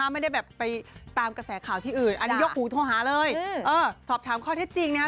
ไม่ได้แบบไปตามกระแสข่าวที่อื่นอันนี้ยกหูโทรหาเลยเออสอบถามข้อเท็จจริงนะฮะ